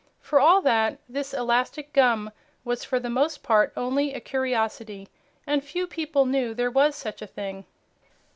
For all that, this elastic gum was for the most part only a curiosity, and few people knew there was such a thing.